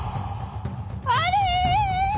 「あれ！」。